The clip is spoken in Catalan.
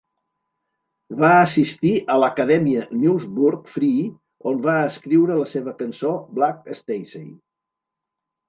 Va assistir a l'Acadèmia Newburgh Free, on va escriure la seva cançó "Black Stacey".